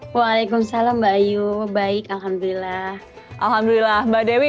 waalaikumsalam mbak ayu baik alhamdulillah